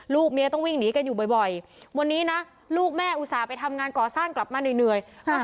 เมียต้องวิ่งหนีกันอยู่บ่อยวันนี้นะลูกแม่อุตส่าห์ไปทำงานก่อสร้างกลับมาเหนื่อย